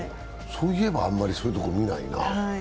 そういえば、あんまりそういうところ見ないな。